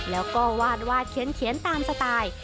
แล้วก็วาดเขียนตามสไตล์